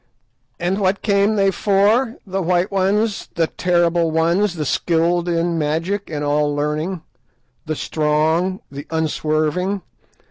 _ "And what came they for, the White Ones, the Terrible Ones, the skilled in magic and all learning, the strong, the unswerving?